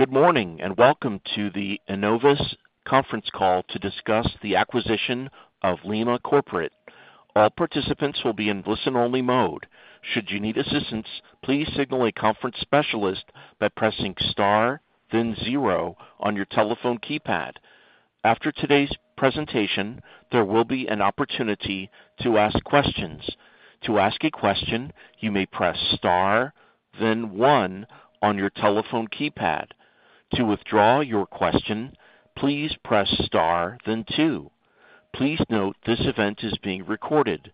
Good morning, and welcome to the Enovis conference call to discuss the acquisition of LimaCorporate. All participants will be in listen-only mode. Should you need assistance, please signal a conference specialist by pressing star, then zero on your telephone keypad. After today's presentation, there will be an opportunity to ask questions. To ask a question, you may press star, then one on your telephone keypad. To withdraw your question, please press star, then two. Please note, this event is being recorded.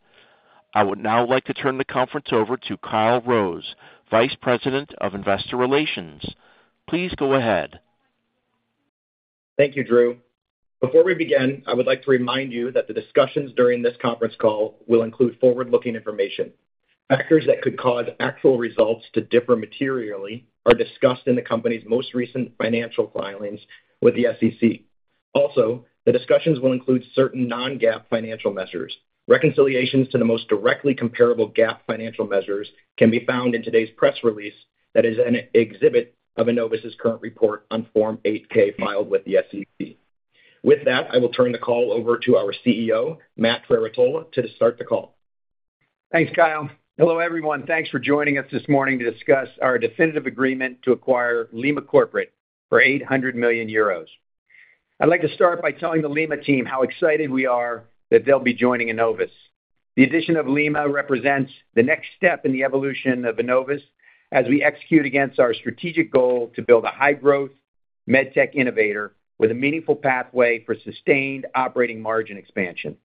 I would now like to turn the conference over to Kyle Rose, Vice President of Investor Relations. Please go ahead. Thank you, Drew. Before we begin, I would like to remind you that the discussions during this conference call will include forward-looking information. Factors that could cause actual results to differ materially are discussed in the company's most recent financial filings with the SEC. Also, the discussions will include certain non-GAAP financial measures. Reconciliations to the most directly comparable GAAP financial measures can be found in today's press release that is an exhibit of Enovis' current report on Form 8-K filed with the SEC. With that, I will turn the call over to our CEO, Matt Trerotola, to start the call. Thanks, Kyle. Hello, everyone. Thanks for joining us this morning to discuss our definitive agreement to acquire LimaCorporate for 800 million euros. I'd like to start by telling the Lima team how excited we are that they'll be joining Enovis. The addition of Lima represents the next step in the evolution of Enovis as we execute against our strategic goal to build a high-growth med tech innovator with a meaningful pathway for sustained operating margin expansion.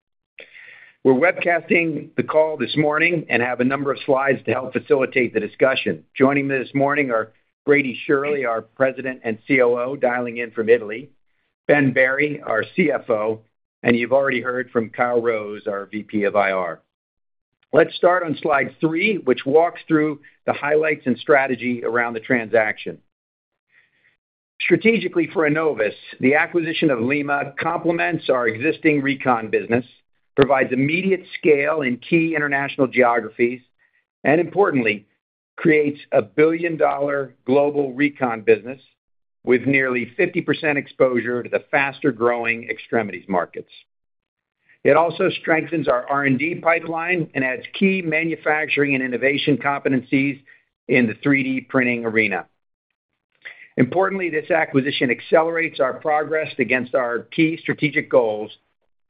We're webcasting the call this morning and have a number of slides to help facilitate the discussion. Joining me this morning are Brady Shirley, our President and COO, dialing in from Italy, Ben Berry, our CFO, and you've already heard from Kyle Rose, our VP of IR. Let's start on slide three, which walks through the highlights and strategy around the transaction. Strategically, for Enovis, the acquisition of Lima complements our existing Recon business, provides immediate scale in key international geographies, and importantly, creates a billion-dollar global Recon business with nearly 50% exposure to the faster-growing extremities markets. It also strengthens our R&D pipeline and adds key manufacturing and innovation competencies in the 3D printing arena. Importantly, this acquisition accelerates our progress against our key strategic goals,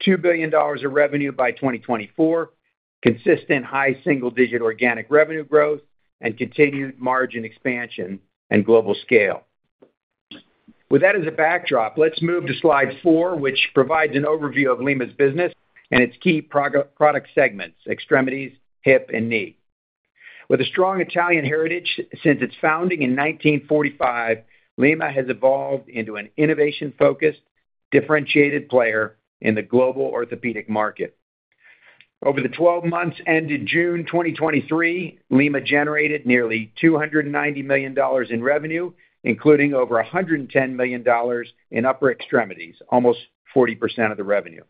$2 billion of revenue by 2024, consistent high single-digit organic revenue growth, and continued margin expansion and global scale. With that as a backdrop, let's move to slide 4, which provides an overview of Lima's business and its key product segments, extremities, hip, and knee. With a strong Italian heritage since its founding in 1945, Lima has evolved into an innovation-focused, differentiated player in the global orthopedic market. Over the 12 months, ending June 2023, Lima generated nearly $290 million in revenue, including over $110 million in upper extremities, almost 40% of the revenue.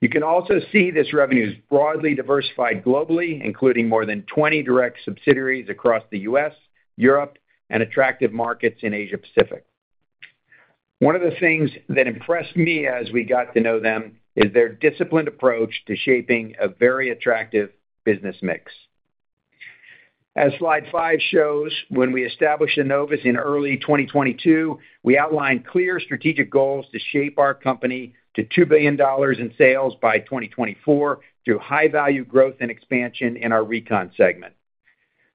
You can also see this revenue is broadly diversified globally, including more than 20 direct subsidiaries across the U.S., Europe, and attractive markets in Asia Pacific. One of the things that impressed me as we got to know them is their disciplined approach to shaping a very attractive business mix. As slide 5 shows, when we established Enovis in early 2022, we outlined clear strategic goals to shape our company to $2 billion in sales by 2024 through high-value growth and expansion in our Recon segment.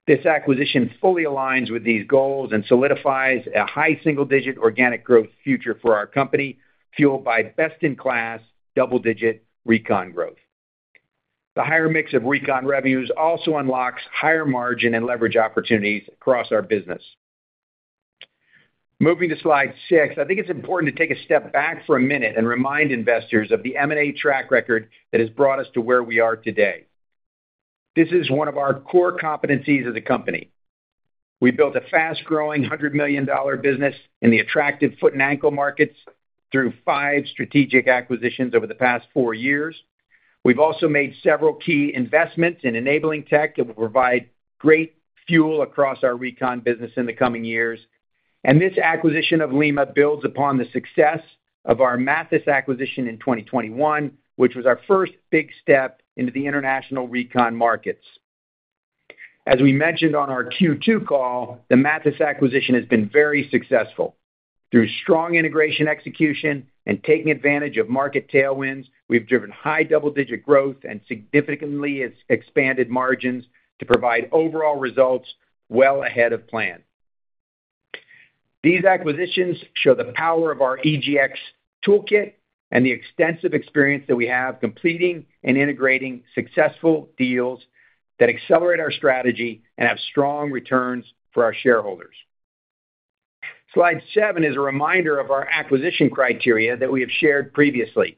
This acquisition fully aligns with these goals and solidifies a high single-digit organic growth future for our company, fueled by best-in-class, double-digit Recon growth. The higher mix of Recon revenues also unlocks higher margin and leverage opportunities across our business. Moving to slide 6, I think it's important to take a step back for a minute and remind investors of the M&A track record that has brought us to where we are today. This is one of our core competencies as a company. We built a fast-growing $100 million business in the attractive foot and ankle markets through five strategic acquisitions over the past four years. We've also made several key investments in enabling tech that will provide great fuel across our Recon business in the coming years. And this acquisition of Lima builds upon the success of our Mathys acquisition in 2021, which was our first big step into the international Recon markets. As we mentioned on our Q2 call, the Mathys acquisition has been very successful. Through strong integration, execution, and taking advantage of market tailwinds, we've driven high double-digit growth and significantly expanded margins to provide overall results well ahead of plan. These acquisitions show the power of our EGX toolkit and the extensive experience that we have completing and integrating successful deals that accelerate our strategy and have strong returns for our shareholders. Slide seven is a reminder of our acquisition criteria that we have shared previously.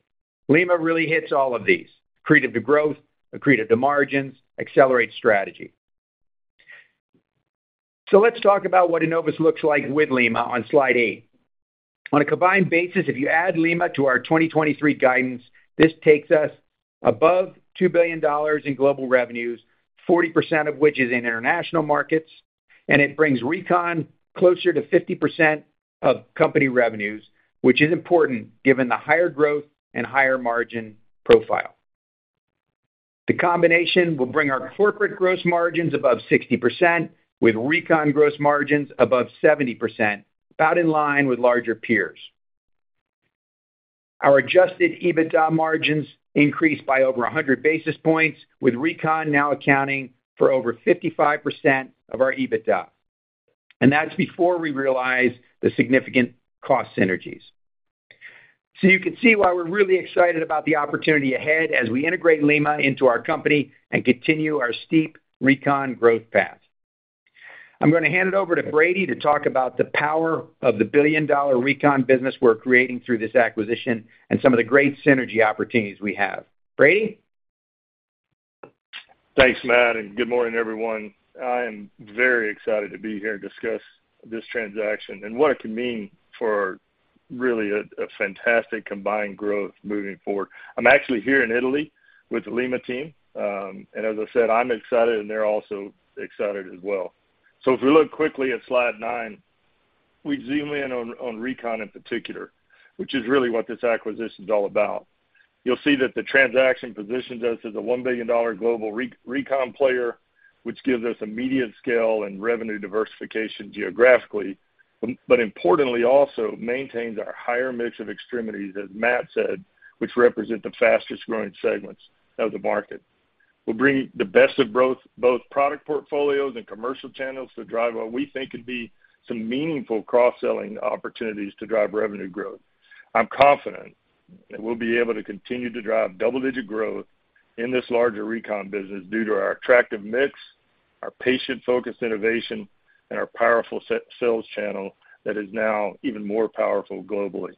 Lima really hits all of these: accretive to growth, accretive to margins, accelerates strategy. So let's talk about what Enovis looks like with Lima on slide eight. On a combined basis, if you add Lima to our 2023 guidance, this takes us above $2 billion in global revenues, 40% of which is in international markets, and it brings Recon closer to 50% of company revenues, which is important given the higher growth and higher margin profile. The combination will bring our corporate gross margins above 60%, with Recon gross margins above 70%, about in line with larger peers. Our adjusted EBITDA margins increased by over 100 basis points, with Recon now accounting for over 55% of our EBITDA, and that's before we realize the significant cost synergies. So you can see why we're really excited about the opportunity ahead as we integrate Lima into our company and continue our steep Recon growth path. I'm going to hand it over to Brady to talk about the power of the billion-dollar Recon business we're creating through this acquisition and some of the great synergy opportunities we have. Brady? Thanks, Matt, and good morning, everyone. I am very excited to be here to discuss this transaction and what it can mean for really a fantastic combined growth moving forward. I'm actually here in Italy with the Lima team, and as I said, I'm excited, and they're also excited as well. So if we look quickly at slide nine, we zoom in on Recon in particular, which is really what this acquisition is all about. You'll see that the transaction positions us as a $1 billion global Recon player, which gives us immediate scale and revenue diversification geographically, but importantly, also maintains our higher mix of extremities, as Matt said, which represent the fastest-growing segments of the market. We're bringing the best of both product portfolios and commercial channels to drive what we think could be some meaningful cross-selling opportunities to drive revenue growth. I'm confident that we'll be able to continue to drive double-digit growth in this larger Recon business due to our attractive mix, our patient-focused innovation, and our powerful sales channel that is now even more powerful globally.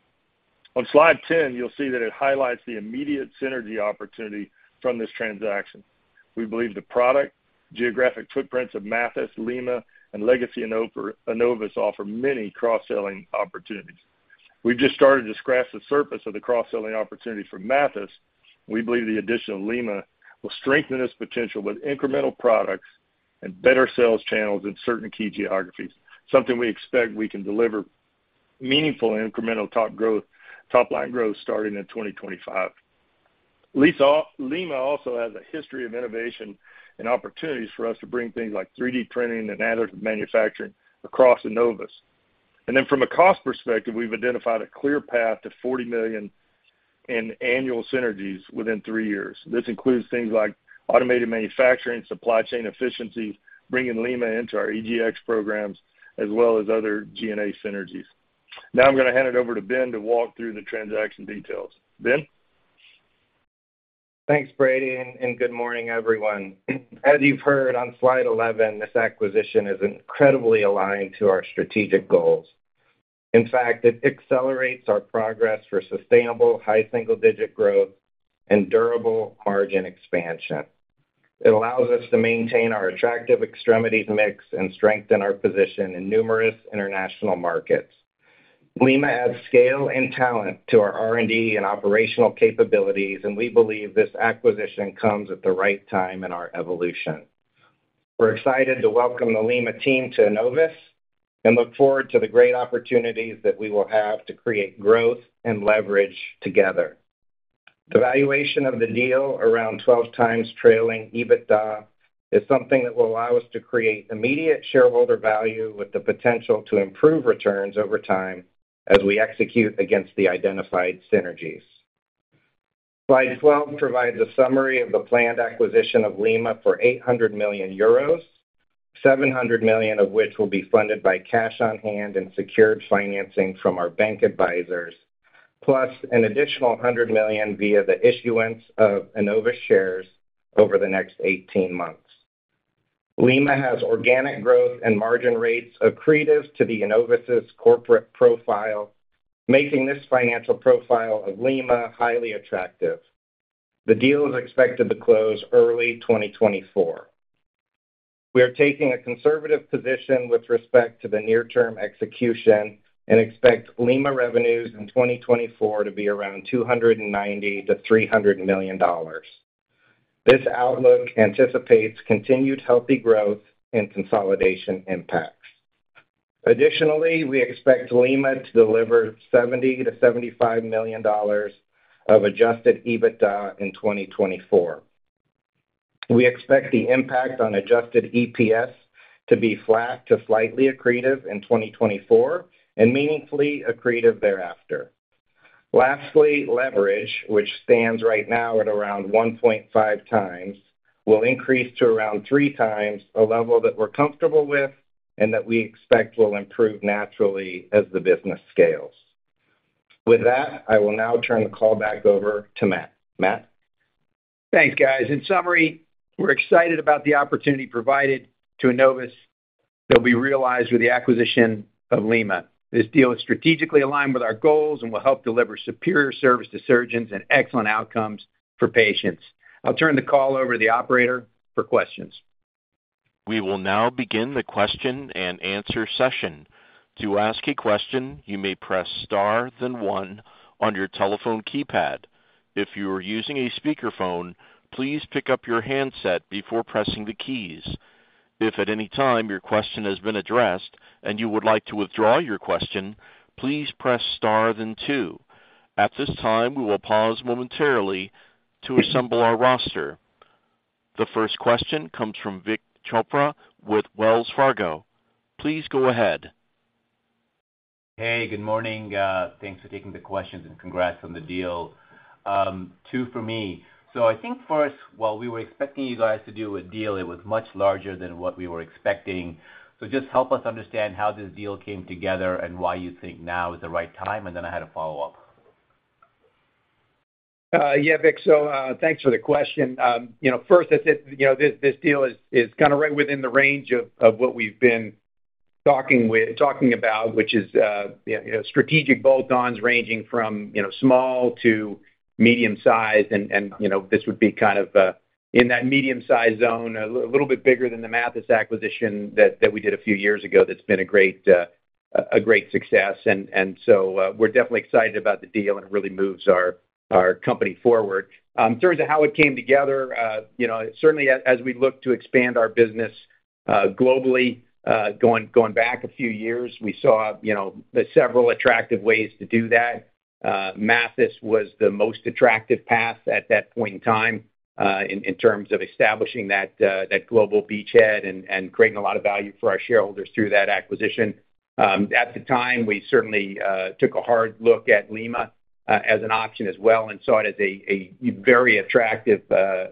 On slide 10, you'll see that it highlights the immediate synergy opportunity from this transaction. We believe the product, geographic footprints of Mathys, Lima, and legacy Enovis offer many cross-selling opportunities. We've just started to scratch the surface of the cross-selling opportunity for Mathys. We believe the addition of Lima will strengthen this potential with incremental products and better sales channels in certain key geographies, something we expect we can deliver meaningful incremental top-line growth, starting in 2025. Lima also has a history of innovation and opportunities for us to bring things like 3D printing and additive manufacturing across Enovis. Then from a cost perspective, we've identified a clear path to $40 million in annual synergies within three years. This includes things like automated manufacturing, supply chain efficiency, bringing Lima into our EGX programs, as well as other G&A synergies. Now I'm going to hand it over to Ben to walk through the transaction details. Ben? Thanks, Brady, and good morning, everyone. As you've heard on slide 11, this acquisition is incredibly aligned to our strategic goals. In fact, it accelerates our progress for sustainable high single-digit growth and durable margin expansion. It allows us to maintain our attractive extremities mix and strengthen our position in numerous international markets. Lima adds scale and talent to our R&D and operational capabilities, and we believe this acquisition comes at the right time in our evolution. We're excited to welcome the Lima team to Enovis and look forward to the great opportunities that we will have to create growth and leverage together. The valuation of the deal, around 12 times trailing EBITDA, is something that will allow us to create immediate shareholder value with the potential to improve returns over time as we execute against the identified synergies. Slide 12 provides a summary of the planned acquisition of Lima for 800 million euros, 700 million of which will be funded by cash on hand and secured financing from our bank advisors, plus an additional 100 million via the issuance of Enovis shares over the next 18 months. Lima has organic growth and margin rates accretive to the Enovis' corporate profile, making this financial profile of Lima highly attractive. The deal is expected to close early 2024. We are taking a conservative position with respect to the near-term execution and expect Lima revenues in 2024 to be around $290 million-$300 million. This outlook anticipates continued healthy growth and consolidation impacts. Additionally, we expect Lima to deliver $70 million-$75 million of adjusted EBITDA in 2024. We expect the impact on Adjusted EPS to be flat to slightly accretive in 2024 and meaningfully accretive thereafter. Lastly, leverage, which stands right now at around 1.5x, will increase to around 3x a level that we're comfortable with and that we expect will improve naturally as the business scales. With that, I will now turn the call back over to Matt. Matt? Thanks, guys. In summary, we're excited about the opportunity provided to Enovis that will be realized with the acquisition of Lima. This deal is strategically aligned with our goals and will help deliver superior service to surgeons and excellent outcomes for patients. I'll turn the call over to the operator for questions. We will now begin the question and answer session. To ask a question, you may press star, then one on your telephone keypad. If you are using a speakerphone, please pick up your handset before pressing the keys. If at any time your question has been addressed and you would like to withdraw your question, please press star, then two. At this time, we will pause momentarily to assemble our roster. The first question comes from Vik Chopra with Wells Fargo. Please go ahead. Hey, good morning. Thanks for taking the questions, and congrats on the deal. Two for me. So I think first, while we were expecting you guys to do a deal, it was much larger than what we were expecting. So just help us understand how this deal came together and why you think now is the right time, and then I had a follow-up. Yeah, Vik. Thanks for the question. You know, first, as it... you know, this deal is kind of right within the range of what we've been talking about, which is, you know, strategic bolt-ons ranging from, you know, small to medium-sized. You know, this would be kind of in that medium-sized zone, a little bit bigger than the Mathys acquisition that we did a few years ago. That's been a great, a great success. You know, we're definitely excited about the deal, and it really moves our company forward. In terms of how it came together, you know, certainly as we look to expand our business globally, going back a few years, we saw, you know, several attractive ways to do that. Mathys was the most attractive path at that point in time, in terms of establishing that global beachhead and creating a lot of value for our shareholders through that acquisition. At the time, we certainly took a hard look at Lima as an option as well and saw it as a very attractive,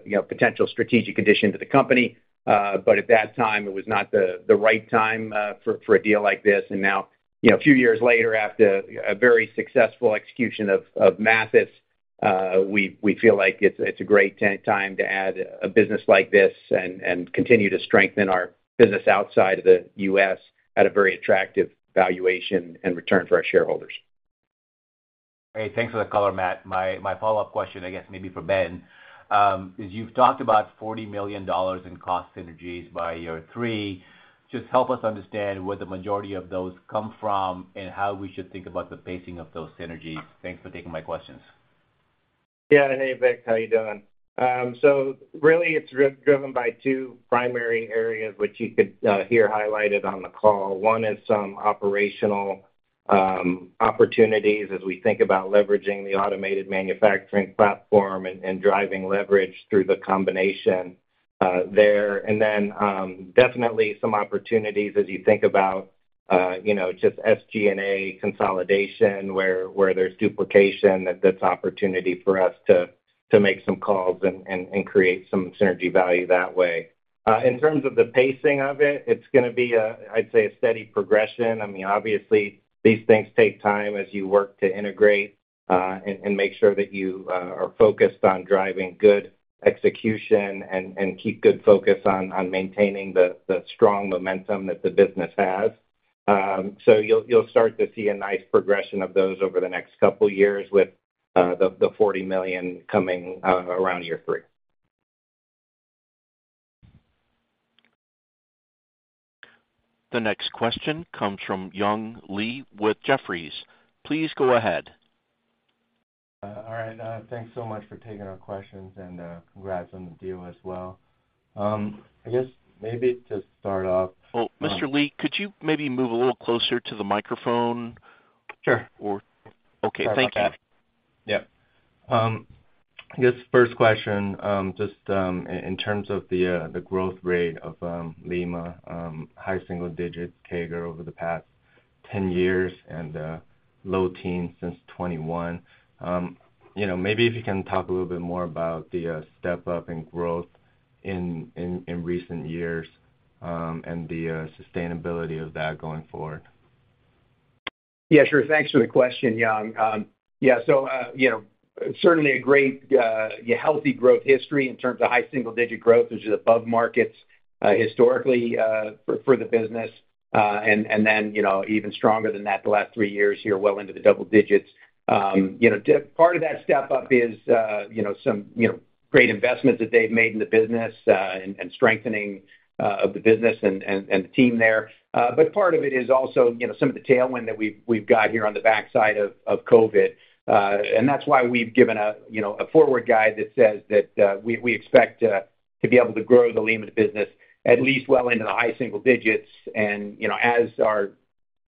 you know, potential strategic addition to the company. But at that time, it was not the right time for a deal like this. And now, you know, a few years later, after a very successful execution of Mathys, we feel like it's a great time to add a business like this and continue to strengthen our business outside of the U.S. at a very attractive valuation and return for our shareholders. Great. Thanks for the color, Matt. My follow-up question, I guess maybe for Ben, is you've talked about $40 million in cost synergies by year three. Just help us understand where the majority of those come from and how we should think about the pacing of those synergies. Thanks for taking my questions. Yeah. Hey, Vik. How are you doing? So really, it's driven by two primary areas, which you could hear highlighted on the call. One is some operational opportunities as we think about leveraging the automated manufacturing platform and driving leverage through the combination there. And then definitely some opportunities as you think about you know just SG&A consolidation, where there's duplication, that's opportunity for us to make some calls and create some synergy value that way. In terms of the pacing of it, it's gonna be I'd say a steady progression. I mean, obviously, these things take time as you work to integrate and make sure that you are focused on driving good execution and keep good focus on maintaining the strong momentum that the business has. You'll start to see a nice progression of those over the next couple of years with the $40 million coming around year three. The next question comes from Young Li with Jefferies. Please go ahead. All right. Thanks so much for taking our questions, and congrats on the deal as well. I guess maybe to start off- Well, Mr. Li, could you maybe move a little closer to the microphone? Sure. Okay, thank you. No problem. Yeah. I guess first question, just in terms of the growth rate of Lima, high single digits CAGR over the past 10 years and low teens since 2021. You know, maybe if you can talk a little bit more about the step-up in growth in recent years, and the sustainability of that going forward. Yeah, sure. Thanks for the question, Young. Yeah, so, you know, certainly a great, healthy growth history in terms of high single-digit growth, which is above markets, historically, for the business. And, and then, you know, even stronger than that, the last three years here, well into the double digits. You know, part of that step up is, you know, some, you know, great investments that they've made in the business, and, and strengthening, of the business and, and, and the team there. But part of it is also, you know, some of the tailwind that we've, we've got here on the backside of, of COVID. And that's why we've given a, you know, a forward guide that says that we expect to be able to grow the Lima business at least well into the high single digits. And, you know, as our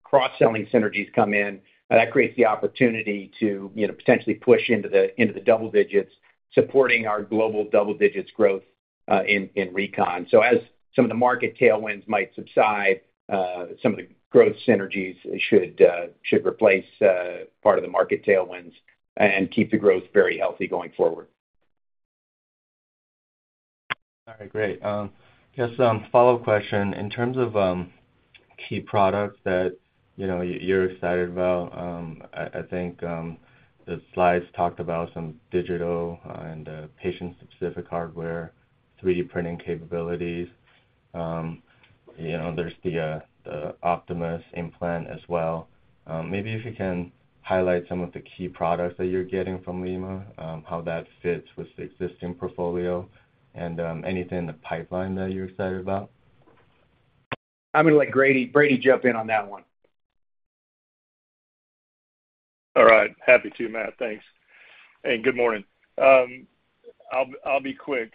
cross-selling synergies come in, that creates the opportunity to, you know, potentially push into the double digits, supporting our global double digits growth in Recon. So as some of the market tailwinds might subside, some of the growth synergies should replace part of the market tailwinds and keep the growth very healthy going forward. All right. Great. Just a follow-up question. In terms of key products that, you know, you're excited about, I think the slides talked about some digital and patient-specific hardware, 3D printing capabilities. You know, there's the optimys implant as well. Maybe if you can highlight some of the key products that you're getting from Lima, how that fits with the existing portfolio, and anything in the pipeline that you're excited about? I'm gonna let Brady jump in on that one. All right. Happy to, Matt. Thanks, and good morning. I'll, I'll be quick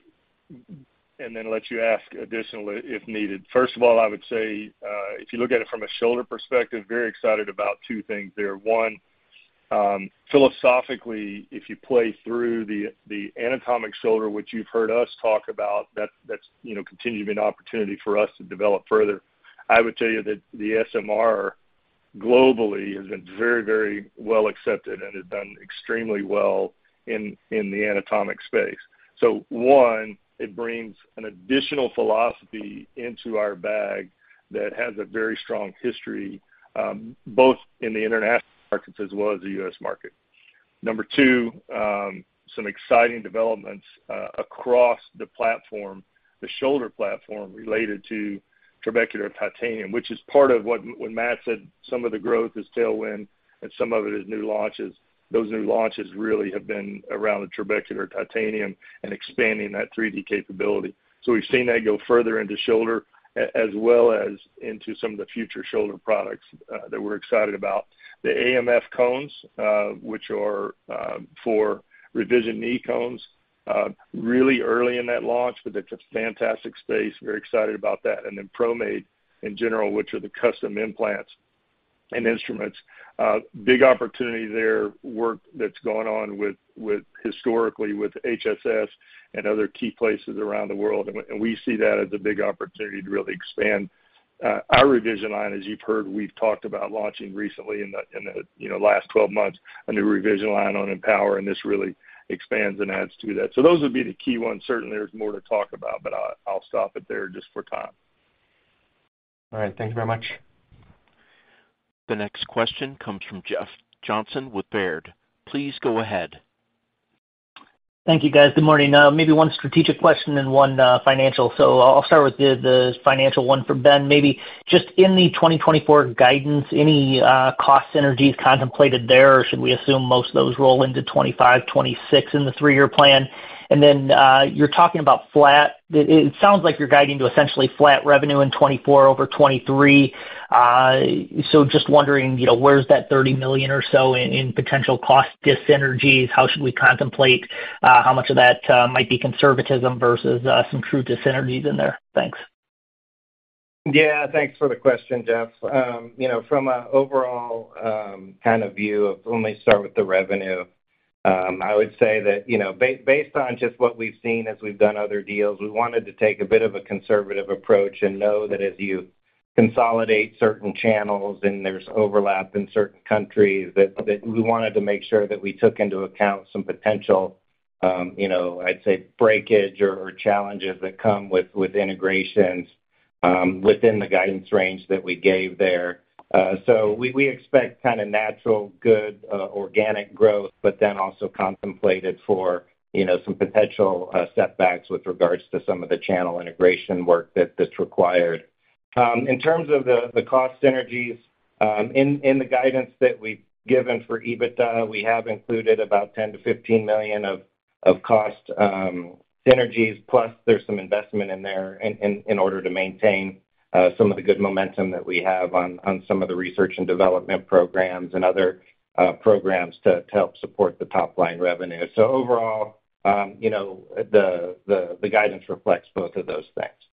and then let you ask additionally, if needed. First of all, I would say, if you look at it from a shoulder perspective, very excited about two things there. One, philosophically, if you play through the anatomic shoulder, which you've heard us talk about, that's, you know, continuing to be an opportunity for us to develop further. I would tell you that the SMR globally has been very, very well accepted and has done extremely well in the anatomic space. So one, it brings an additional philosophy into our bag that has a very strong history, both in the international markets as well as the U.S. market. Number two, some exciting developments across the platform, the shoulder platform, related to Trabecular Titanium, which is part of what when Matt said some of the growth is tailwind and some of it is new launches, those new launches really have been around the Trabecular Titanium and expanding that 3D capability. So we've seen that go further into shoulder, as well as into some of the future shoulder products that we're excited about. The AMF cones, which are for revision knee cones, really early in that launch, but it's a fantastic space. Very excited about that, and then ProMade, in general, which are the custom implants and instruments. Big opportunity there, work that's going on with historically with HSS and other key places around the world, and we see that as a big opportunity to really expand our revision line. As you've heard, we've talked about launching recently in the, you know, last 12 months, a new revision line on EMPOWR, and this really expands and adds to that. So those would be the key ones. Certainly, there's more to talk about, but I'll stop it there just for time. All right. Thank you very much. The next question comes from Jeff Johnson with Baird. Please go ahead. Thank you, guys. Good morning. Maybe one strategic question and one financial. I'll start with the financial one for Ben. Maybe just in the 2024 guidance, any cost synergies contemplated there, or should we assume most of those roll into 2025, 2026 in the three-year plan? You're talking about flat... It sounds like you're guiding to essentially flat revenue in 2024 over 2023. Just wondering, you know, where's that $30 million or so in potential cost dyssynergies? How should we contemplate how much of that might be conservatism versus some true dyssynergies in there? Thanks. Yeah, thanks for the question, Jeff. You know, from an overall, kind of view of, let me start with the revenue. I would say that, you know, based on just what we've seen as we've done other deals, we wanted to take a bit of a conservative approach and know that as you consolidate certain channels and there's overlap in certain countries, that we wanted to make sure that we took into account some potential, you know, I'd say, breakage or challenges that come with integrations, within the guidance range that we gave there. So we expect kind of natural, good, organic growth, but then also contemplated for, you know, some potential, setbacks with regards to some of the channel integration work that's required. In terms of the cost synergies, in the guidance that we've given for EBITDA, we have included about $10 million-$15 million of cost synergies, plus there's some investment in there in order to maintain some of the good momentum that we have on some of the research and development programs and other programs to help support the top-line revenue. So overall, you know, the guidance reflects both of those things.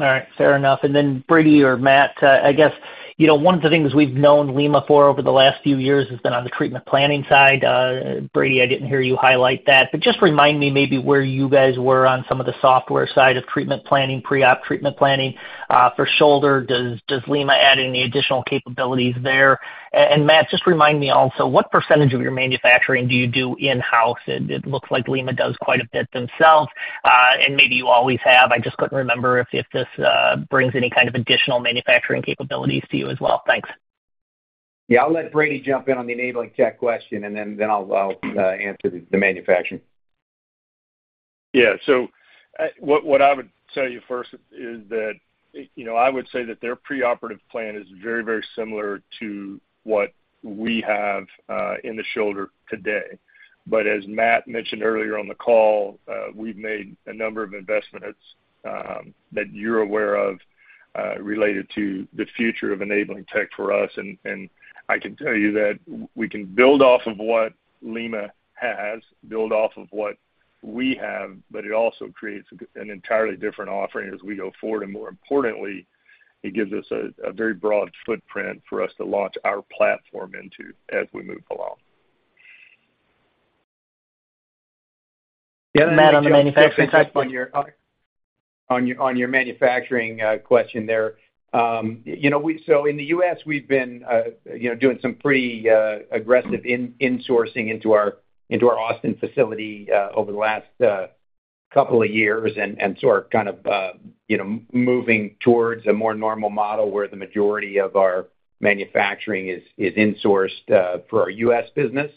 All right. Fair enough. And then Brady or Matt, I guess, you know, one of the things we've known Lima for over the last few years has been on the treatment planning side. Brady, I didn't hear you highlight that, but just remind me maybe where you guys were on some of the software side of treatment planning, preop treatment planning. For shoulder, does Lima add any additional capabilities there? And Matt, just remind me also, what percentage of your manufacturing do you do in-house? It looks like Lima does quite a bit themselves, and maybe you always have. I just couldn't remember if this brings any kind of additional manufacturing capabilities to you as well. Thanks. Yeah. I'll let Brady jump in on the enabling tech question, and then I'll answer the manufacturing. Yeah. What I would tell you first is that, you know, I would say that their preoperative plan is very, very similar to what we have in the shoulder today. As Matt mentioned earlier on the call, we've made a number of investments, you know, that you're aware of, related to the future of enabling tech for us, and I can tell you that we can build off of what Lima has, build off of what we have, but it also creates an entirely different offering as we go forward. More importantly, it gives us a very broad footprint for us to launch our platform into as we move along. Matt, on the manufacturing side- On your manufacturing question there. You know, we-- in the U.S., we've been, you know, doing some pretty aggressive insourcing into our Austin facility over the last couple of years, and are kind of, you know, moving towards a more normal model where the majority of our manufacturing is insourced for our U.S. business.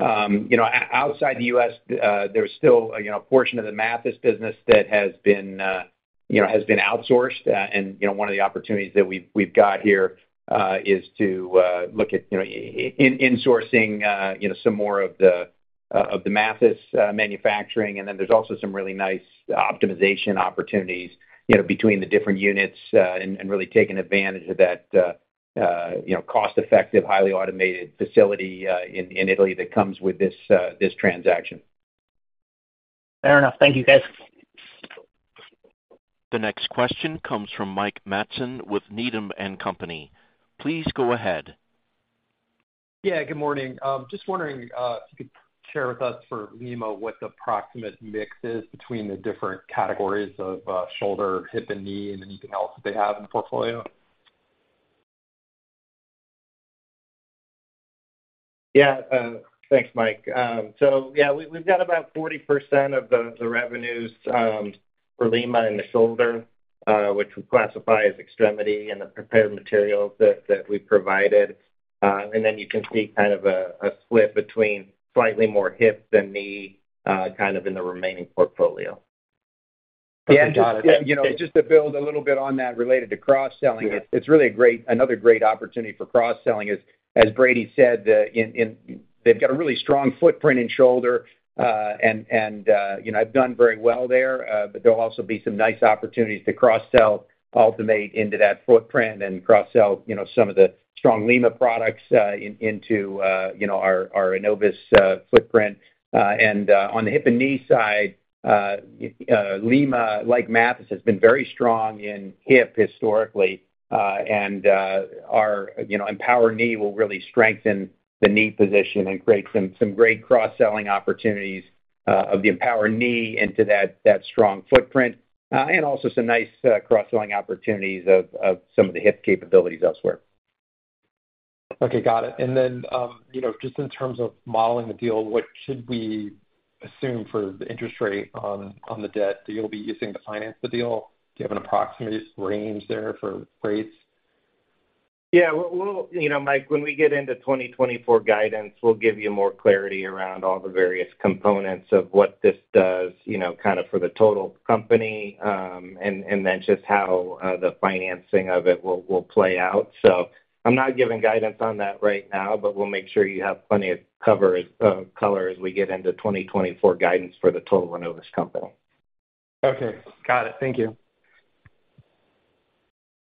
You know, outside the U.S., there's still a portion of the Mathys business that has been, you know, has been outsourced. You know, one of the opportunities that we've got here is to look at, you know, insourcing some more of the Mathys manufacturing. And then there's also some really nice optimization opportunities, you know, between the different units, and really taking advantage of that, you know, cost-effective, highly automated facility in Italy that comes with this transaction. Fair enough. Thank you, guys. The next question comes from Mike Matson with Needham & Company. Please go ahead. Yeah, good morning. Just wondering, if you could share with us for Lima what the approximate mix is between the different categories of shoulder, hip, and knee, and anything else that they have in the portfolio? Yeah. Thanks, Mike. Yeah, we've got about 40% of the revenues for Lima in the shoulder, which we classify as extremity in the prepared materials that we provided. You can see kind of a split between slightly more hip than knee in the remaining portfolio. Yeah, and just, you know, just to build a little bit on that related to cross-selling- Yeah. It's really a great, another great opportunity for cross-selling. As Brady said, in, in, they've got a really strong footprint in shoulder, and, and, you know, have done very well there. There'll also be some nice opportunities to cross-sell AltiVate into that footprint and cross-sell, you know, some of the strong Lima products into, you know, our, our Enovis footprint. On the hip and knee side, Lima, like Mathys, has been very strong in hip historically. Our, you know, EMPOWR knee will really strengthen the knee position and create some great cross-selling opportunities of the EMPOWR knee into that strong footprint, and also some nice cross-selling opportunities of some of the hip capabilities elsewhere. Okay, got it. And then, you know, just in terms of modeling the deal, what should we assume for the interest rate on the debt that you'll be using to finance the deal? Do you have an approximate range there for rates? Yeah, we'll. You know, Mike, when we get into 2024 guidance, we'll give you more clarity around all the various components of what this does, you know, kind of for the total company, and then just how the financing of it will play out. So I'm not giving guidance on that right now, but we'll make sure you have plenty of cover, color as we get into 2024 guidance for the total Enovis company. Okay, got it. Thank you.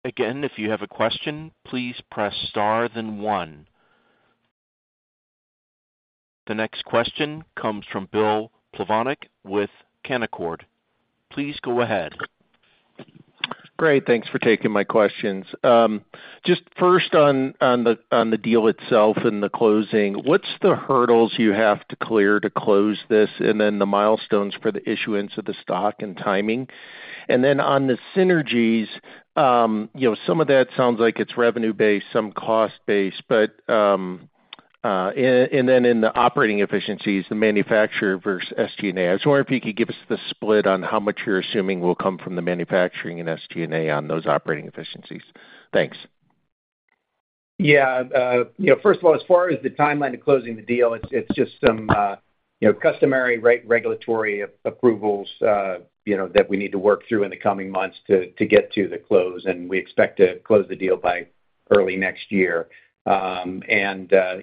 Again, if you have a question, please press Star then one. The next question comes from Bill Plovanic with Canaccord. Please go ahead. Great, thanks for taking my questions. Just first on the deal itself and the closing, what's the hurdles you have to clear to close this, and then the milestones for the issuance of the stock and timing? And then on the synergies, you know, some of that sounds like it's revenue-based, some cost-based, but, and then in the operating efficiencies, the manufacturer versus SG&A. I was wondering if you could give us the split on how much you're assuming will come from the manufacturing and SG&A on those operating efficiencies. Thanks. Yeah, you know, first of all, as far as the timeline to closing the deal, it's, it's just some, you know, customary regulatory approvals, you know, that we need to work through in the coming months to, to get to the close, and we expect to close the deal by early next year. And,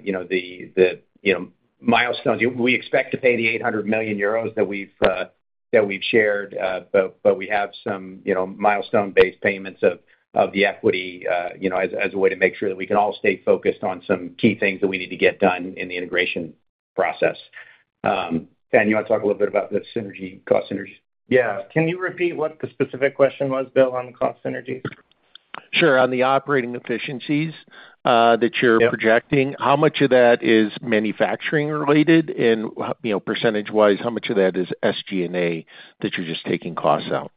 you know, the, the, you know, milestones, we expect to pay the 800 million euros that we've, that we've shared, but, but we have some, you know, milestone-based payments of, of the equity, you know, as, as a way to make sure that we can all stay focused on some key things that we need to get done in the integration process. Ben, you want to talk a little bit about the synergies, cost synergies? Yeah. Can you repeat what the specific question was, Bill, on the cost synergies? Sure. On the operating efficiencies, Yeah... that you're projecting, how much of that is manufacturing related? And you know, percentage-wise, how much of that is SG&A, that you're just taking costs out?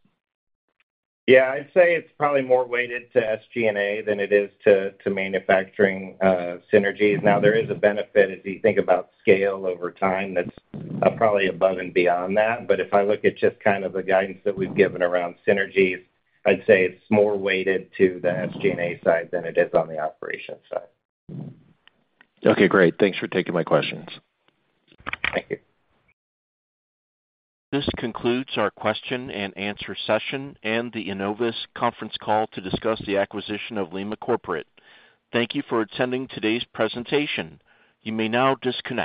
Yeah, I'd say it's probably more weighted to SG&A than it is to manufacturing synergies. Now, there is a benefit as you think about scale over time; that's probably above and beyond that. But if I look at just kind of the guidance that we've given around synergies, I'd say it's more weighted to the SG&A side than it is on the operations side. Okay, great. Thanks for taking my questions. Thank you. This concludes our question and answer session and the Enovis conference call to discuss the acquisition of LimaCorporate. Thank you for attending today's presentation. You may now disconnect.